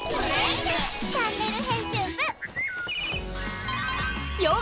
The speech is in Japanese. チャンネル編集部」へ！